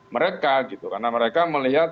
mereka karena mereka melihat